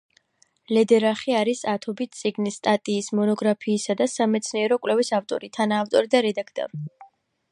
ლედერახი არის ათობით წიგნის, სტატიის, მონოგრაფიისა და სამეცნიერო კვლევის ავტორი, თანაავტორი და რედაქტორი.